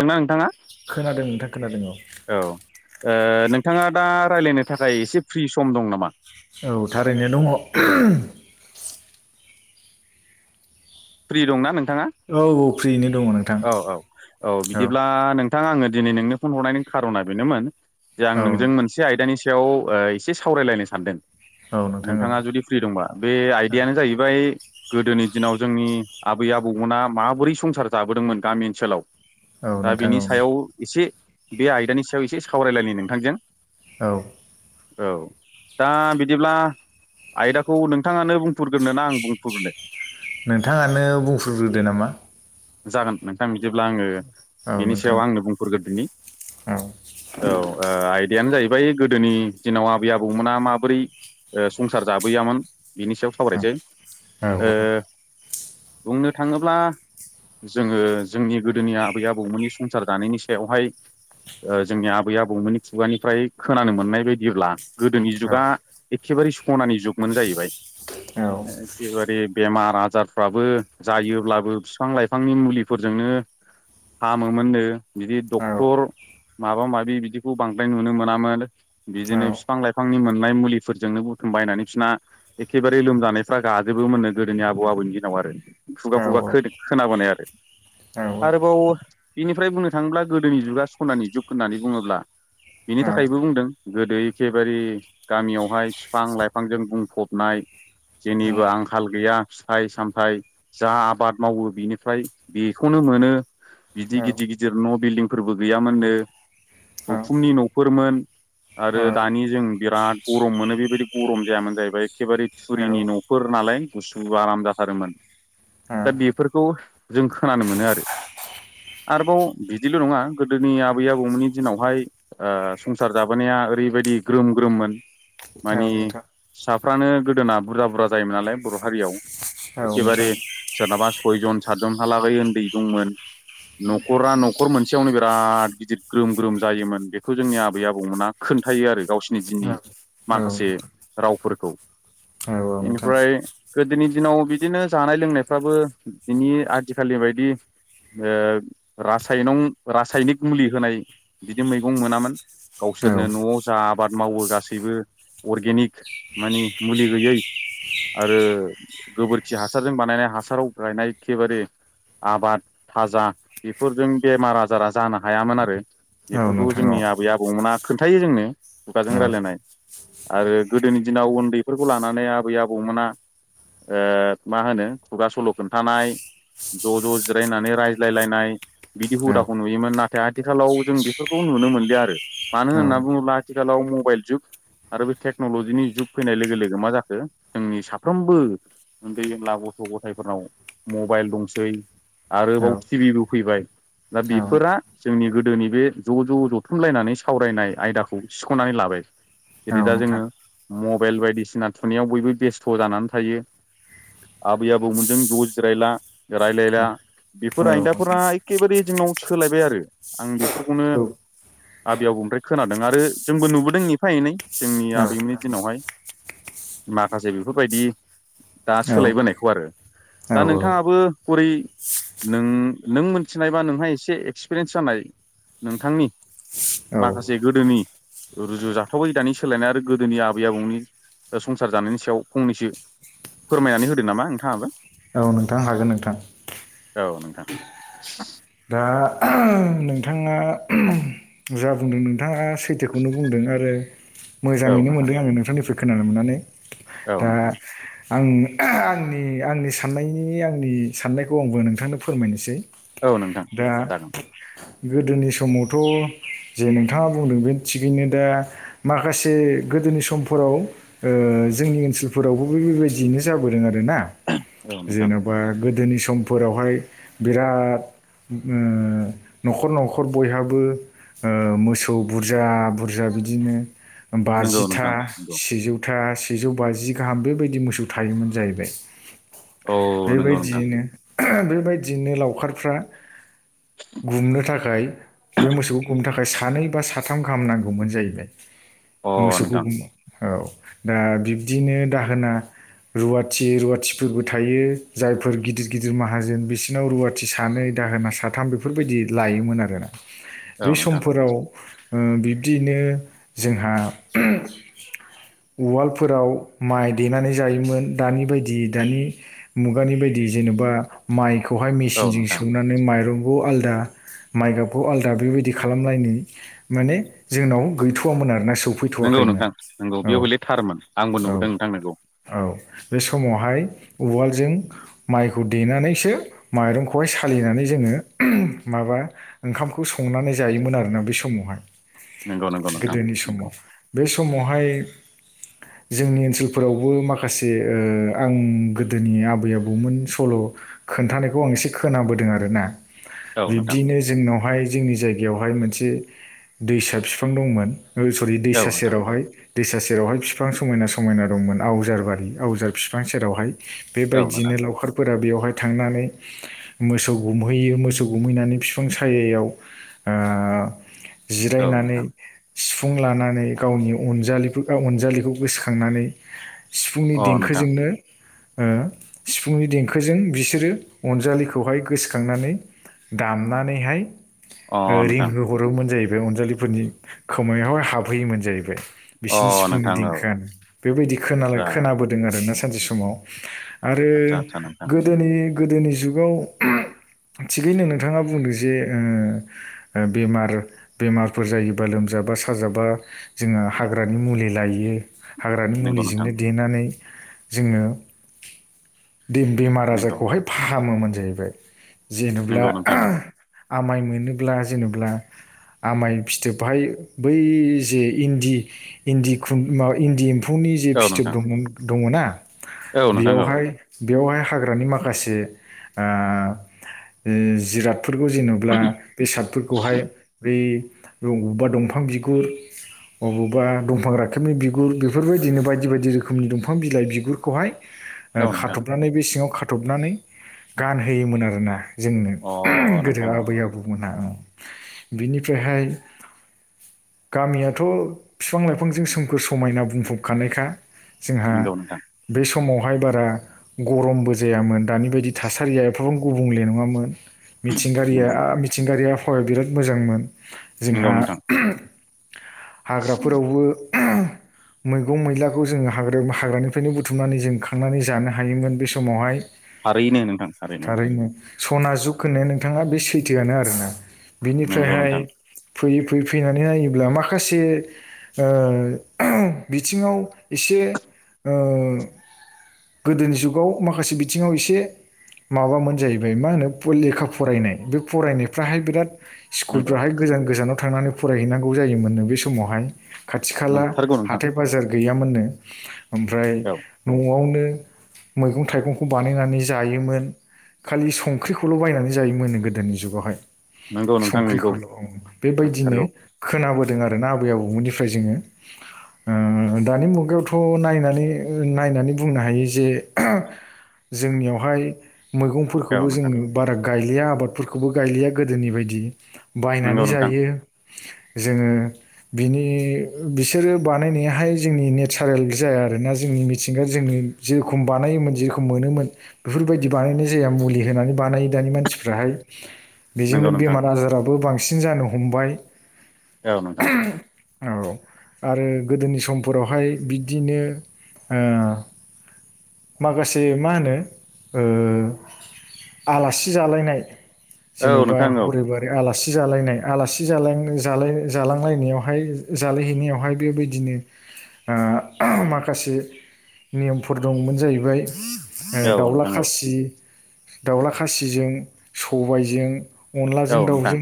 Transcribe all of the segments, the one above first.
खोनदोंना नोंथाङा? खोनादों नोंथां खोनादों औ औ। ओ नोंथाङा दा रायलायनो थाखाय एसे फ्रि सम दं नामा? औ थारैनो दङ । फ्रि दंना नोंथाङा औ औ फ्रियैनो दङ नोंथां औ औ औ बिदिब्ला नों थां आङो दिनै नोंनो फन हरनायनि खार'ना बेनोमोन जे आं औ नोंजों मोनसे आयदानि सायाव ओ एसे सावरायलायनो सानदों। औ नोंथां औ नोंथाङा जुदि फ्रि दंबा बे औ आइदायानो जाहैबाय गोदोनि दिनाव जोंनि आबै आबौमोना माबोरै संसार जाबोदोंमोन गामि ओनसोलाव औ दा नोंथां बिनि औ सायाव एसे बे आयदानि सायाव एसे सावरायलायनि नोंथांजों। औ। औ दा बिदिब्ला आयदाखौ नोंथाङानो बुंफुरग्रोनो ना आं बुंफुरग्रोनो? नोंथाङानो बुंफ्रुग्रोदो नामा? जागोन नोंथां बिदिब्ला आङो औ बिनि नोंथां सायाव आंनो बुंफोरग्रोदिनि औ औ ओ आइ - दायानो जाहैबाय गोदोनि दिनाव आबै आबौमोना माबोरै ओ संसार जाबोयामोन बिनि सायाव सावरायनोसै औ ओ बुंनो थाङोब्ला जोङो जोंनि गोदोनि आबै आबौमोननि संसार जानायनि सायावहाय ओ जोंनि आबै आबौमोननि खुगानिफ्राय खोनानो मोननाय बायदिब्ला गोदोनि जुगा एखेबारे सनानि जुगमोन जाहैबाय औ एखेबारे बेमार आजारफ्राबो जायोब्लाबो बिफां लाइफांनि मुलिफोरजोंनो हामोमोननो बिदि औ औ डक्टर माबा माबि बिदिखौ बांद्राय नुनो मोनामोन औ बिदिनो बिफां लाइफांनि मोननाय मुलिफोरजोंनो बुथु ओमबायनानै बिसिना एखेबारे लोमजानायफ्रा गाजोबोमोननो गोदोनि आबौ आबौनि दिनाव आरो खुगा खुगा खोदों खोनाबोनाय आरो आरोबाव बिनिफ्राय बुंनो थाङोब्ला गोदोनि जुगा सनानि जुग होननानै बुङोब्ला बिनि थाखायबो बुंदों गोदो एखेबारे गामियावहाय बिफां लाइफांजों बुंफबनाय जेनिबो आंखाल गैया फिथाइ सामथाइ जा आबाद मावो बिनिफ्राय बेखौनो मोनो बिदि गिदिर गिदिर न' बिल्डिंफोरबो गैयामोननो उखुमनि नफोरमोन आरो दानि जों बिराद गरम मोनो बेबायदि गरम जायामोन जाहैबाय एखेबारे थुरिनि नफोर नालाय गुसु आराम जाथारोमोन। [unintelligible] दा बेफोरखौ जों खोनानो मोनो आरो। आरोबाव बिदिल नङा गोदोनि आबै आबौमोननि दिनावहाय ओ संसार जाबोनाया ओरैबायदि ग्रोम ग्रोममोन। माने नोंथां फिसाफ्रानो गोदोना बुरजा बुरजा जायोमोन नालाय बर' हारियाव। औ एखेबारे नोंथां। सोरनाबा सयजन सातजनहालागै उन्दै दंमोन। नख'रा न'खर मोनसेयावनो बिराद गिदिर ग्रोम ग्रोम जायोमोन बेखौ जोंनि आबै आबौमोना सोलोंखायो आरो गावसिनि दिननि माखासे औ रावफोरखौ बेनिफ्राय गोदोनि दिनाव बिदिनो जानाय लोंनाय फ्राबो बिनि आथिखालनि बायदि ओ रासायनं रासायनिक मुलि होनाय बिदि मैगं मोनामोन। नोंथां गावसोरनो न'आव जा आबाद मावो गासैबो अर्गेनिक मानि मुलि होयै आरो गोबोरखि हासारजों बानायनाय हासाराव गायनाय एखेबारे आबाद थाजा बेफोरजों बेमार आजारा जानो हायामोन आरो। औ औ बेफोरखौ नोंथां जोंनि औ आबै आबौमोना खोन्थायो जोंनो औ खुगाजों रायलायनाय। आरो गोदोनि दिनाव उन्दैफोरखौ लानानै आबै आबौमोना ओ मा होनो खुगा सल खोन्थानाय ज ज जिरायनानै रायज्लायलायनाय बिदि हुदाखौ नुयोमोन नाथाय आथिखालाव जों बेफोरखौ नुनो मोनलिया आरो मानो औ औ होनना बुङोब्ला आथिखालाव मबाइल जुग आरो बे टेक्नलजिनि जुग फैनाय लोगो लोगो मा जाखो जोंनि साफ्रोमबो उन्दै उनला गथ गथायफोरनाव मबाइल दंसै औ आरोबाव टिभिबो फैबाय दा औ बेफोरा नोंथां जोंनि गोदोनि बे ज ज जथुमलायनानै सावरायनाय आयदाखौ सिखनानै लाबाय जेरै औ दा नोंथां जोङो मबाइल बायदिसिना थुनायाव बयबो बेस्थ जानानै थायो आबै आबौमोनजों ज जिरायला रायलायला औ औ नोंथां औ बेफोर नोंथां आयदाफोरा एखेबारे जोंनाव सोलायबाय आरो आं बेफोरखौनो औ आबै आबौ ओमफ्राय खोनादों आरो जोंबो नुबोदों एफा एनै जोंनि आबैमोननि दिनावहाय। माखासे बेफोरबायदि दा सोलायबोनायखौ आरो दा औ नोंथाङाबो बोरै नों नों मोनथिनायबा नोंहा एसे एक्सपिरियेन्स जानाय नोंथांनि औ माखासे गोदोनि रुजुजाथावै दानि सोलायनाय आरो गोदोनि आबै आबौनि संसार जानायनि सायाव फंनैसो फोरमायनानै होदो नामा नोंथाङाबो औ नोंथां हागोन नोंथां। औ नोंथां दा नोंथाङा जा बुंदों नोंथाङा सैथोखौनो बुंदों आरो औ मोजाङैनो नोंथां मोनदों आङो नोंथांनिफ्राय खोनानो मोननानै औ दा नोंथां आं आंनि आंनि साननायनि आंनि साननायखौ आंबो नोंथांनो फोरमायनोसै औ नोंथां दा जागोन गोदोनि समावथ' जे नोंथाङा बुंदों बे थिगैनो दा माखासे गोदोनि समफोराव ओ जोंनि ओनसोलफोरावबो बे बेबायदियैनो जाबोदों आरो ना औ नोंथां जेन'बा गोदोनि समफोरावहाय बिराद ओ न'खर न'खर बयहाबो ओ मोसौ बुरजा बुरजा बिदिनो नंगौ बाजिथा नोंथां नंगौ सेजौथा सेजौ बाजि गाहाम बेबायदि मोसौ थायोमोन जाहैबाय औ नंगौ नोंथां बेबायदियैनो ऐह बेबायदियैनो लावखारफ्रा गुमनो थाखाय बे मोसौखौ गुमनो थाखाय सानै बा साथाम गाहाम नांगौमोन जाहैबाय। अ नोंथां मोसौखौनो औ दा बिब्दिनो दाहोना रुवाथि रुवाथिफोरबो थायो जायफोर गिदिर गिदिर माहाजोन बिसोरनाव रुवाथि सानै दाहोना साथाम बेफोरबायदि लायोमोन आरोना औ बे नोंथां समफोराव ओ बिब्दियैनो जोंहा उवालफोराव माइ देनानै जायोमोन दानि बायदि दानि मुगानि बायदि जेनेबा माइखौहाय औ मेसिनजों नोंथां सौनानै माइरंखौ आलादा माइगाबखौ आलादा बेबायदि खालामनायनि माने जोंनाव गैथ'वामोन आरोना नंगौ सफैथ'वाखैमोन नोंथां नंगौ बेयाव औ हले थारमोन आंबो औ नुबोदों नोंथां नंगौ औ बे समावहाय उवालजों माइखौ देनानैसो माइरंखौहाय सालिनानै जोङो माबा ओंखामखौ संनानै जायोमोन आरोना बै समावहाय नंगौ नंगौ नोंथां गोदोनि नंगौ समाव बे समावहाय जोंनि ओनसोलफोरावबो माखासे ओ आं गोदोनि आबै आबौमोन सल' खोन्थानायखौ आं एसे खोनाबोदों आरोना औ नोंथां बिब्दिनो जोंनावहाय जोंनि जायगा बेयावहाय मोनसे दैसा बिफां दंमोन सरि औ दैसा नोंथां सेरावहाय दैसा सेरावहाय बिफां समायना समायना दंमोन आवजार बारि आवजार बिफां सेरावहाय औ नोंथां बेबायदिनो लावखारफोरा बेवहाय थांनानै मोसौ गुमहैयो मोसौ गुमहैनानै बिफां सायायाव ओ जिरायनानै सिफुं लानानै गावनि अनजालि बा अनजालिखौ गोसोखांनानै सिफुंनि औ नोंथां देंखोजोंनो ओ सिफुंनि देंखोजों बिसोरो अनजालिखौ खौहाय गोसोखांनानै दामनानैहाय अ नोंथां रिंहोहरोमोन जाहैबाय। बे अनजालिफोरनि खोमायावहाय हाबहैयोमोन जाहैबाय। बिसोरनि अ नोंथां अ सिफुंनि नोंथां औ देंखोआनो बेबायदि खोनालाय आदसा खोनाबोदों आरोना सानसे समाव आरो आदसा आदसा नोंथां गोदोनि गोदोनि जुगाव थिगैनो नोंथाङा बुंदों जे ओ बेमार बेमारफोर जायोब्ला लोमजा बा साजाबा जोंङो हाग्रानि मुलि लायो। हाग्रानि नंगौ नोंथां मुलिजोंनो देनानै जोङो बेमार नंगौ आजारखौहाय फाहामोमोन जाहैबाय जेनेब्ला नंगौ नोंथां आ नंगौ आमाइ मोनोब्ला जेनेब्ला आमाय फिथोबहाय बै जे इन्दि इन्दि खुनद इन्दि फ्फौनि जे औ नोंथां फिथोब दङ ना औ नोंथां औ बेयावहाय बेयावहाय हाग्रानि माखासेओ ओम जिराद फोरखौ जेनेब्ला बेसादफोरखौहाय बै बबेबा दंफां बिगुर अबावबा दंफां राखेबनि बिगुर बेफोरबायदिनो बायदि बायदि रोखोमनि दंफां बिलाइ बिगुरखौहाय ओ औ नोंथां खाथबनानै बे सिङाव खाथबनानै गानहोयोमोन आरोना जोंनो अ गोदो नोंथां औ आबै औ आबौमोनहा बिनिफ्रायहाय गामियाथ' फिफां लाइफांजों सोमखोर समायना बुंफबखानायखा जोंहा नंगौ नोंथां बे समावहाय बारा गरमबो जायामोन। दानि बायदि थासारिया एफाबां गुबुंले नङामोन मिथिंगारिया नंगौ नोंथां मिथिंगायारिया फाया बिराद मोजांमोन नंगौ जोंहा नोंथां हाग्राफोरावबो [unintelligible] मैगं मैलाखौ जोंङो हाग्रा हाग्रानिफ्रायनो बुथुमनानै जों खांनानै जानो हायोमोन बे समावहाय थारैनो नोंथां। थारैनो सना जुग होननाया नोंथाङा बे सैथोआनो आरोना नंगौ बिनिफ्रायहाय नोंथां फैयै फैयै फैनानै नायोब्ला माखासे ओ बिथिङाव एसे ओ गोदोनि जुगाव माखासे बिथिङाव एसे माबामोन जाहैबाय मा होनो फ लेखा फरायनाय बे फरायनायफ्राहाय बिराद नंगौ स्कुलफ्राहाय गोजान गोजानाव थांनानै फरायहैनांगौ जायोमोननो बे समावहाय खाथि खाला नंथारगौ नोंथां हाथाय बाजार गैयामोननो ओमफ्राय औ न'आवनो मैगं थाइगंखौ बानायनानै जायोमोन खालि संख्रिखौल' बायनानै जायोमोनो गोदोनि जुगावहाय। नंगौ नोंथां नंगौ संख्रिखौल' ओ बेबायदिनो नंथारगौ खोनाबा खोनादों आरोना आबै आबौमोननिफ्राय जोङो दानि मुगायावथ' नायनानै नायनानै बुंनो हायो जे जोंनिआवहाय औ मैगंफोरखौबो नोंथां जोङो बारा गायलिया आबादफोरखौबो गायलिया गोदोनि बायदि नंगौ बायनानै नोंथां जायो जोङो बिनि बिसोरो बानायनायाहाय जोंनि नेचारेल जाया आरोना जोंनि मिथिंगाया जोंनि जेरखम बानायोमोन जेरखम मोनोमोन बेफोरबायदि बानायनाय जाया मुलि होनानै बानाय दानि मानसिफ्राहाय नंगौ बेजोंनो नोंथां बेमार आजाराबो बांसिन बांसिन जानो हमबाय। ओ नोंथां। औ आरो गोदोनि समफोरावहाय बिबदिनो ओ माखासे मा होनो ओ आलासि जालायनाय औ जेन'बा नोंथां औ हरै बारै आलासि आलासि जालायनाय आलासि जालां जालाय जालायनायावहाय जालायहैनायावहाय बेबायदिनो ओ माखासे नियमफोर दंमोन जाहैबाय। औ दाउला नोंथां खासि दाउला खासिजों सबायजों औ अनलाजों औ नोंथां दाउजों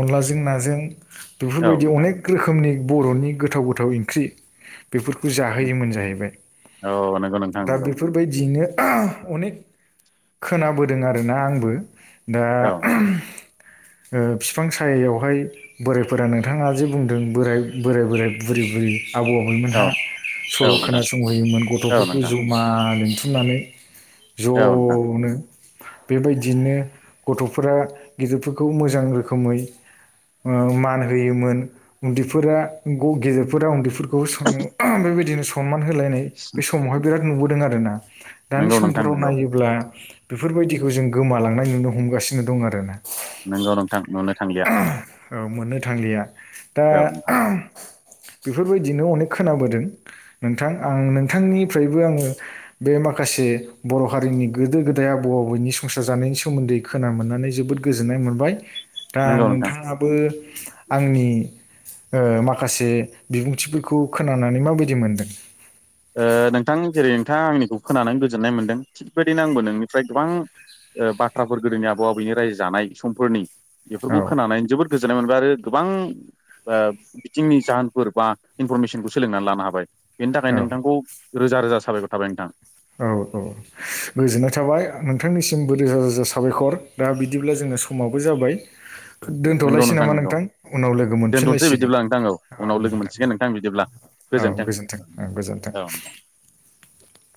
अनलाजों नाजों औ बेफोरबायदि नोंथां अनेक रोखोमनि बर'नि गोथाव गोथाव ओंख्रि बेफोरखौ जाहोयोमोन जाहैबाय औ नंगौ नोंथां दा नंगौ बेफोरबायदियैनो अनेक खोनाबोदों आरोना आंबो दा औ बिफां सायायावहाय बोरायफोरा नोंथाङा जे बुंदों बोराय बोराय बोराय बुरि बुरि आबौ आबैमोनहा औ नोंथां औ सल' नोंथां खोनासंहैयोमोन गथ'फोरखौ औ जमा लों बुथुमनानै औना बेबायदियैनो गथ'फोरा गेदिरफोरखौ मोजां रोखोमै मान होयोमोन उन्दैफोरा गेजेरफोरा उन्दै बेबायदिनो सनमान होलायनाय बे समावहाय बिराद नुबोदों आरोना दानि नंगौ समाव नोंथां फोराव नंगौ नायोब्ला बेफोरबायदिखौ जों गोमालांनाय नुनो हमगासिनो दं आरो ना। नोंगौ नंथां नुनो थांलिया। मोननो थांलिया दा औ नोंथां बेफोरबायदिनो अनेक खोनाबोदों। नोंथां आं नोंथांनिफ्रायबो आङो बे माखासे बर' हारिनि गोदो गोदाय आबौ आबौनि संसार जानायनि सोमोन्दै खोना मोननानै जोबोद गोजोननाय मोनबाय। दा नंगौ नोंथां नोंथाङाबो आंनि ओ माखासे बिबुंथिफोरखौ खोनानानै माबायदि मोनदों? ओ नोंथां जेरै नोंथाङा आंनिखौ खोनानानै गोजोननाय मोनदों थिग बेबायदिनो आंबो नोंनिफ्राय गोबां बाथ्राफोर गोदोनि आबौ आबैनि रायजो जानाय समफोरनि औ बेफोरखौ खोनानानै जोबोद गोजोननाय मोन आरो गोबां बिथिंनि जाहोनफोर बा इनफरमेसनखौ सोलोंनानै लानो हाबाय। बेनि थाखाय औ नोंथांखौ रोजा रोजा साबायखर थाबाय नोंथां। औ औ। गोजोननाय थाबाय नोंथांनिसिमबो रोजा रोजा साबायखर दा बिदिब्ला जोंना समाबो जाबाय। नोंगौ दोन्थ'लायसै नामा नोंगौ नोंथां उनाव लोगो दोनथ'नोसै मोनफिनलायसिगोन बिदिब्ला नोंथां औ उनाव लोगो नोंथां। मोनसिगोन बिदिब्ला औ गोजोन्थों औ गोजोनथों। औ